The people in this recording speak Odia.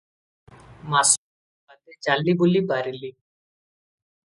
ମାସକ ବାଦେ ଚାଲିବୁଲି ପାରିଲି ।